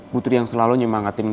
putri yang selalu nyemangatin gue